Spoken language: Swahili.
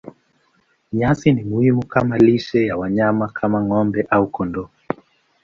Nyasi ni muhimu kama lishe ya wanyama kama ng'ombe au kondoo.